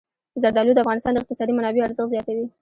زردالو د افغانستان د اقتصادي منابعو ارزښت زیاتوي.